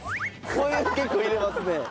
結構入れますね。